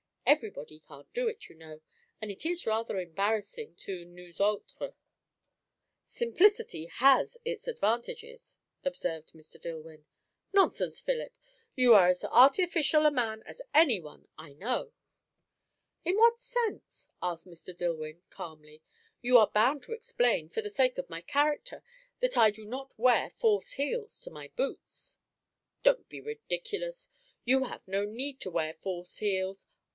Everybody can't do it, you know; and it is rather embarrassing to nous autres." "Simplicity has its advantages," observed Mr. Dillwyn. "Nonsense, Philip! You are as artificial a man as any one I know." "In what sense?" asked Mr. Dillwyn calmly. "You are bound to explain, for the sake of my character, that I do not wear false heels to my boots." "Don't be ridiculous! You have no need to wear false heels.